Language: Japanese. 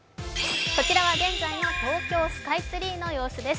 こちらは現在の東京スカイツリーの様子です。